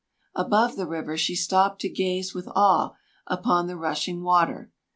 Above the river she stopped to gaze with awe upon the rushing water.